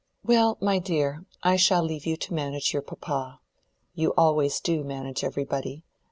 "Well, my dear, I shall leave you to manage your papa. You always do manage everybody.